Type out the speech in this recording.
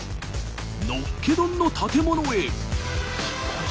「のっけ丼」の建物へ。